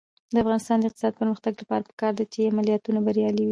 د افغانستان د اقتصادي پرمختګ لپاره پکار ده چې عملیاتونه بریالي وي.